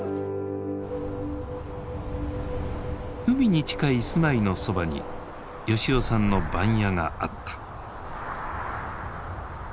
海に近い住まいのそばに吉男さんの番屋があった。